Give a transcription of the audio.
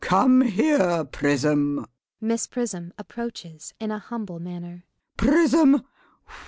] Come here, Prism! [Miss Prism approaches in a humble manner.] Prism!